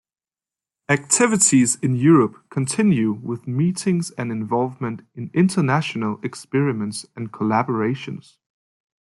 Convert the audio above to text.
Activities in Europe continue with meetings and involvement in international experiments and collaborations.